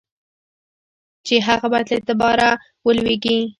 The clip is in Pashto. چي هغه باید له اعتباره ولوېږي.